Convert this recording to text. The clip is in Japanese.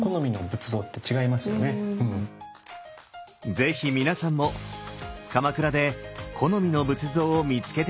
是非皆さんも鎌倉で好みの仏像を見つけてみて下さい。